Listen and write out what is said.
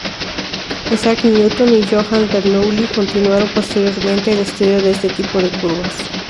Isaac Newton y Johann Bernoulli continuaron posteriormente el estudio de este tipo de curvas.